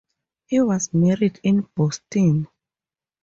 He was married in Boston.